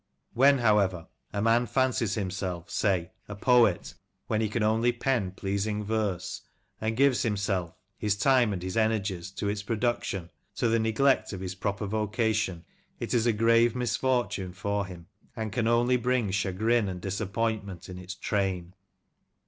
When, however, a man fancies himself, say, a poet, when he can only pen pleasing verse, and gives himself — ^his time and his energies — to its production, to the neglect of his proper vocation, it is a grave misfortune for him, and can only bring chagrin and disappointment in its train.